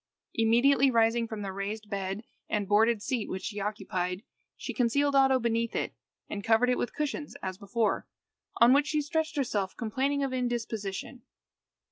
Immediately rising from the raised and boarded seat which she occupied, she concealed Oddo beneath it, and covered it with cushions as before, on which she stretched herself complaining of indisposition.